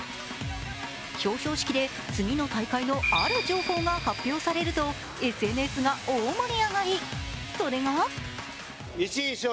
表彰式で次の大会の、ある情報が発表されるとＳＮＳが大盛り上がり。